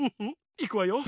いくわよ。